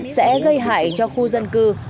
sẽ gây hại cho khu dân cư